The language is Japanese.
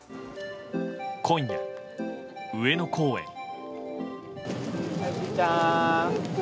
今夜、上野公園。